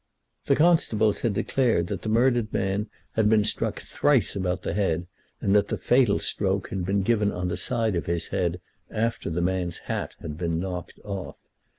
The constables had declared that the murdered man had been struck thrice about the head, and that the fatal stroke had been given on the side of his head after the man's hat had been knocked off.